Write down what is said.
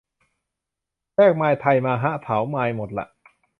แลกไมล์ไทยมาฮะ เผาไมล์หมดละ